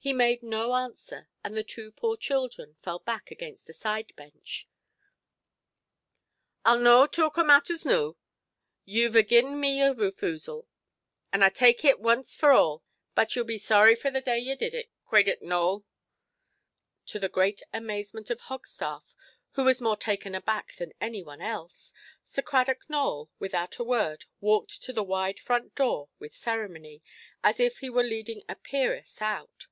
He made no answer, and the two poor children fell back against a side–bench. "Iʼll no talk o' matters noo. Youʼve a giʼen me my refoosal, and I tak' it once for all. But yeʼll be sorry for the day ye did it, Craydock Nowell". To the great amazement of Hogstaff, who was more taken aback than any one else, Sir Cradock Nowell, without a word, walked to the wide front door with ceremony, as if he were leading a peeress out.